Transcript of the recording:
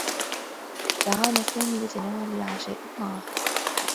دعانا سامي لتناول العشاء معه.